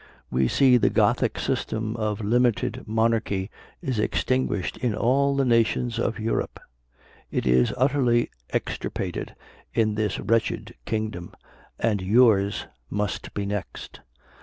We see the Gothic system of limited monarchy is extinguished in all the nations of Europe. It is utterly extirpated in this wretched kingdom, and yours must be next.